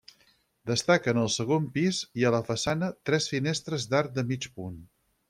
Destaquen al segon pis, i a la façana, tres finestres d’arc de mig punt.